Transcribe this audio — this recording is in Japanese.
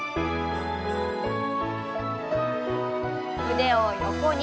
腕を横に。